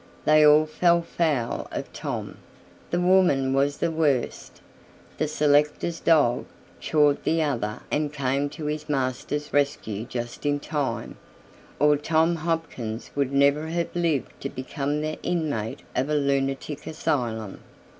They all fell foul of Tom. The woman was the worst. The selector's dog chawed the other and came to his master's rescue just in time or Tom Hopkins would never have lived to become the inmate of a lunatic asylum.